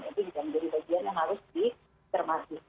itu juga menjadi bagian yang harus dicermati